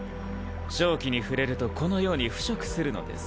しょう気に触れるとこのように腐食するのです。